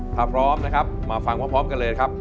ถ้าพร้อมนะครับมาฟังพร้อมกันเลยครับ